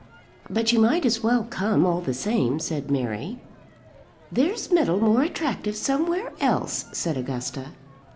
"But you might as well come all the same," said Mary. "There's metal more attractive somewhere else," said Augusta.